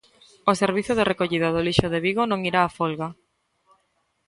O servizo de recollida do lixo de Vigo non irá á folga.